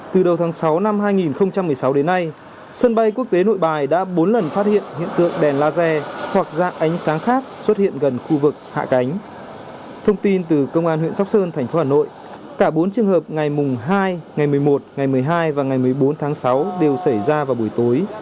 thông tin từ công an huyện sóc sơn thành phố hà nội cả bốn trường hợp ngày mùng hai ngày một mươi một ngày một mươi hai và ngày một mươi bốn tháng sáu đều xảy ra vào buổi tối